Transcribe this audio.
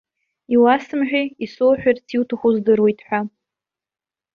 Иуасымҳәеи, исоуҳәарц иуҭаху здыруеит ҳәа.